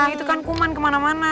itu kan kuman kemana mana